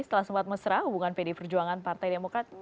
setelah sempat mesra hubungan pdi perjuangan partai demokrat